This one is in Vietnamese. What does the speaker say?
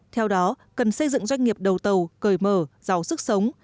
theo đó cần xây dựng doanh nghiệp đầu tàu cởi mở giàu sức sống